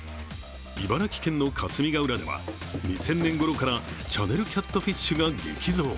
茨城県の霞ヶ浦では２０００年ごろからチャネルキャットフィッシュが激増。